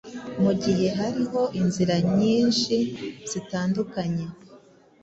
Mugihe hariho inzira nyinhi zitandukanye